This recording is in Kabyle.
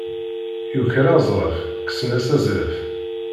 Yuker aẓref, kksen-as azref.